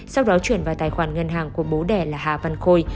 sau đó chuyển vào tài khoản ngân hàng của bố đẻ là hà văn khôi